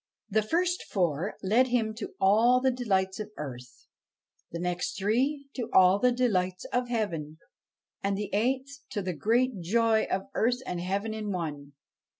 The first four led him to all the delights of earth ; the next three to all the delights of heaven ; and the eighth to the Great Joy of Earth and Heaven in one.